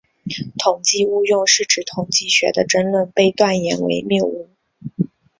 统计误用是指统计学的争论被断言为谬误。